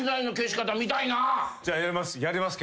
じゃあやります。